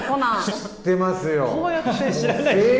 知ってますよ。